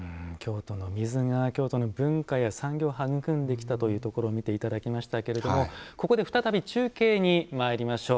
京都の水が京都の文化や産業を育んできたというところを見ていただきましたけどここで再び中継にまいりましょう。